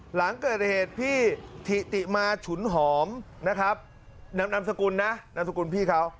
หลังเกิดเหตุพี่ถิติมาฉุนหอมนะครับนามสกุลนะนามสกุลพี่เขา